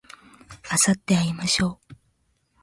あさってに会いましょう